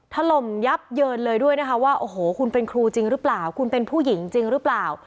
ถล่มยับเยินเลยด้วยนะคะว่าโอ้โหคุณเป็นครูจริงหรือเปล่าคุณเป็นผู้หญิงจริงหรือเปล่า